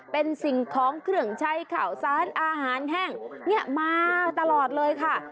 เป็นสิ่งของเครื่องใช้ข่าวสารอาหารแห้งเนี่ยมาตลอดเลยค่ะ